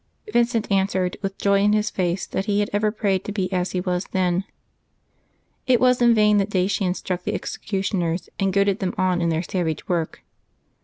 Vincent answered, with joy in his face, that he had ever prayed to be as he was then. It was in vain that Dacian struck the executioners and goaded them on in their savage work.